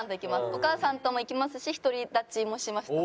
お母さんとも行きますし独り立ちもしました。